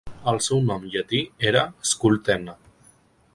El seu nom llatí era "Scultenna".